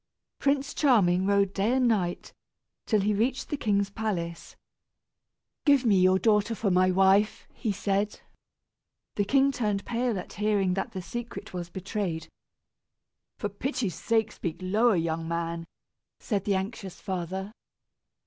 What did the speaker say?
Prince Charming rode, day and night, till he reached the king's palace. "Give me your daughter for my wife," he said. The king turned pale at hearing that the secret was betrayed. "For pity's sake speak lower, young man," said the anxious father.